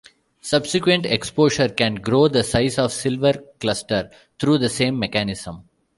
Subsequent exposure can grow the size of silver cluster through the same mechanism.